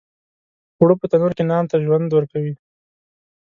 اوړه په تنور کې نان ته ژوند ورکوي